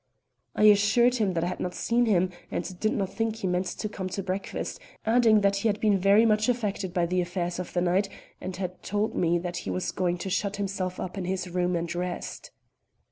I assured him that I had not seen him and did not think he meant to come to breakfast, adding that he had been very much affected by the affairs of the night, and had told me that he was going to shut himself up in his room and rest.